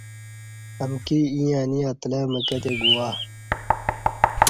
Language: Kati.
امکی ییں انی اتلہ مکہ تے گوواہ